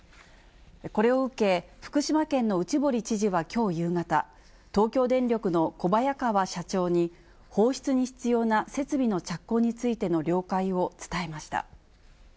これを受け、福島県の内堀知事はきょう夕方、東京電力の小早川社長に、放出に必要な設備の着工についての了解を伝えました。